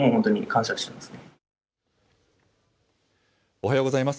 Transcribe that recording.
おはようございます。